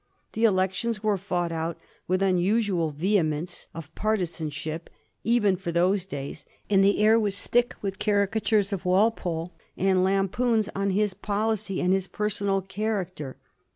The elections were fought out with unusual vehemence of partisanship, even for those days, and the air was thick with caricatures of Walpole and lampoons on his policy and his personal character.